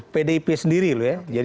pdp sendiri loh ya